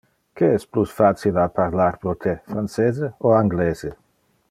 Que es plus facile a parlar pro te, francese o anglese?